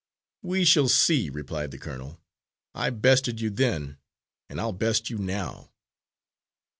"We shall see," replied the colonel. "I bested you then, and I'll best you now."